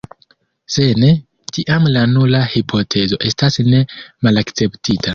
Se ne, tiam la nula hipotezo estas ne malakceptita.